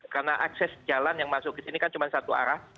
karena akses jalan yang masuk ke sini kan cuma satu arah